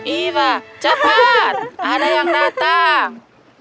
iva cepat ada yang datang